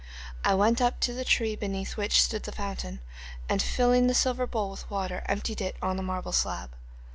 I went up to the tree beneath which stood the fountain, and filling the silver bowl with water, emptied it on the marble slab.